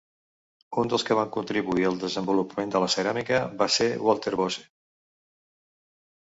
Un dels que van contribuir al desenvolupament de la ceràmica va ser Walter Bosse.